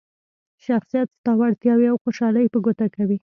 شخصیت ستا وړتیاوې او خوشحالي په ګوته کوي.